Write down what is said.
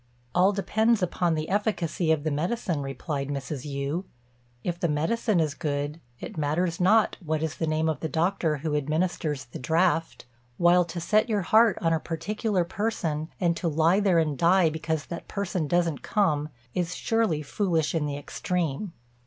"All depends upon the efficacy of the medicine," replied Mrs. Yü; "if the medicine is good, it matters not what is the name of the doctor who administers the draught; while to set your heart on a particular person, and to lie there and die because that person doesn't come, is surely foolish in the extreme."